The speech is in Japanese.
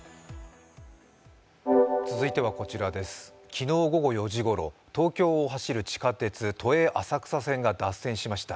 昨日午後４時ごろ、東京を走る地下鉄、都営浅草線が脱線しました。